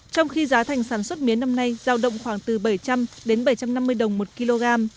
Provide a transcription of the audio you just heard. trong khi giá thành sản xuất mía năm nay giao động khoảng từ bảy trăm linh đến bảy trăm năm mươi đồng một kg